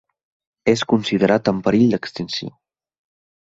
És considerat en perill d'extinció.